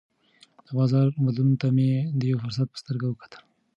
د بازار بدلون ته مې د یوه فرصت په سترګه وکتل.